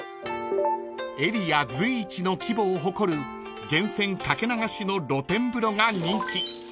［エリア随一の規模を誇る源泉掛け流しの露天風呂が人気］